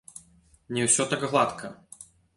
Не ўсё так гладка.